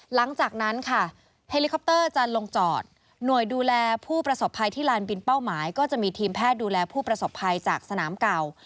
หลังจากนั้นค่ะเฮลิคอปเตอร์จะลงจอดหน่วยดูแลผู้ประสบภัยที่ลานบินเป้าหมายก็จะมีทีมแพทย์ดูแลผู้ประสบภัยจากสนามเก่า